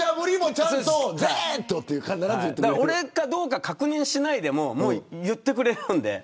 俺かどうか確認しないでも言ってくれるので。